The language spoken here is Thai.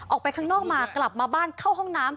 ออกไปข้างนอกมากลับมาบ้านเข้าห้องน้ำ